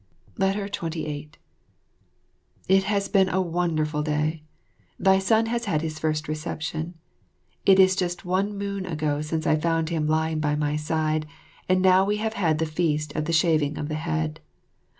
28 It has been a wonderful day. Thy son has had his first reception. It is just one moon ago since I found him lying by my side, and now we have had the feast of the shaving of the head.